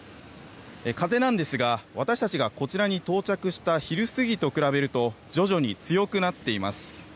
風なんですが、私たちがこちらに到着した昼過ぎと比べると徐々に強くなっています。